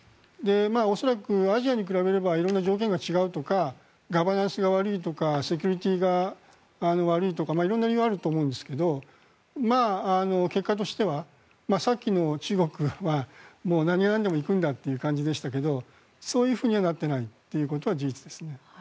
恐らく、アジアに比べれば色んな条件が違うとかガバナンスが悪いとかセキュリティーが悪いとか色んな理由はあると思いますが結果としてはさっきの中国は、何がなんでも行くんだという感じでしたがそういうふうにはなっていないことは事実ですね。